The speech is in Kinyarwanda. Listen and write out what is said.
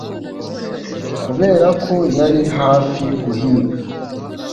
Kuberako yari hafi guhiga